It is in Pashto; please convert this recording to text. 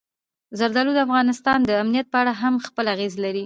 زردالو د افغانستان د امنیت په اړه هم خپل اغېز لري.